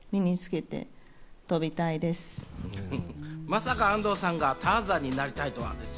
まさか安藤さんがターザンになりたいとは。